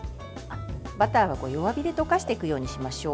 バターは弱火で溶かしていくようにしましょう。